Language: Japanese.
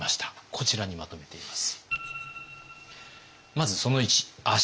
こちらにまとめています。